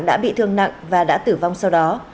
đã bị thương nặng và đã tử vong sau đó